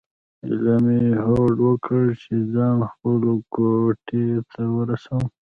ایله مې هوډ وکړ چې ځان خپلو کوټې ته ورسوم.